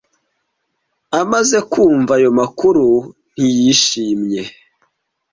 Amaze kumva ayo makuru, ntiyishimye.